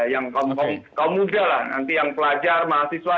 yang kaum muda lah nanti yang pelajar mahasiswa